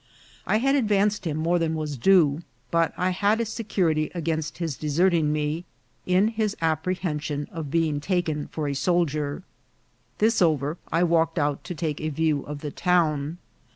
I had advanced him more than was due, but I had a security against his deserting me in his apprehension of being taken for a soldier. This over, I walked out to take a view of the town.